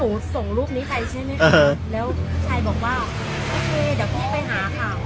มึงบอกว่าโอเคเดี๋ยวพี่ไปหาค่ะ